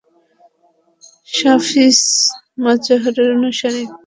শাফিঈ মাযহাবের অনুসারী।